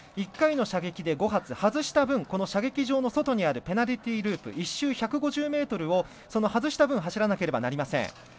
１回の射撃で５発、外した分射撃場の外にあるペナルティーループ１周１５０ｍを外した分走らなくてはなりません。